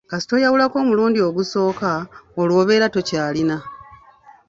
Kasita oyawulako omulundi ogusooka, olwo obeera tokyalina.